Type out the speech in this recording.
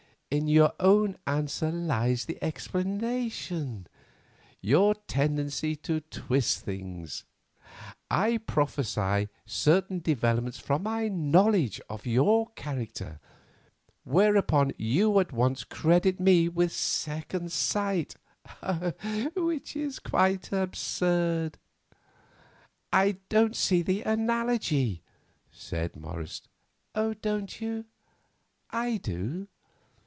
In your own answer lies the explanation—your tendency to twist things. I prophesy certain developments from my knowledge of your character, whereupon you at once credit me with second sight, which is absurd." "I don't see the analogy," said Morris. "Don't you? I do.